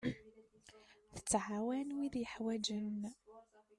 Tettɛawan wid yeḥwaǧen.